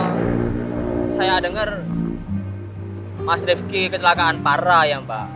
oh saya denger mas defki kecelakaan parah ya mbak